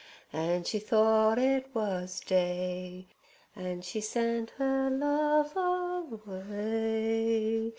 An' she thought it was day. An' she sent 'er love away.